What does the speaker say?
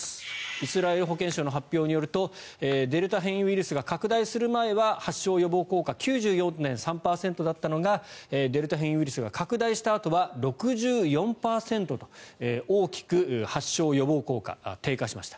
イスラエル保健省の発表によるとデルタ変異ウイルスが拡大する前は発症予防効果９４．３％だったのがデルタ変異ウイルスが拡大したあとは６４％と大きく発症予防効果が低下しました。